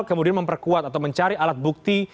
kemudian memperkuat atau mencari alat bukti